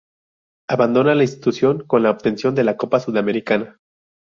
Abandona la institución con la obtención de la Copa Sudamericana.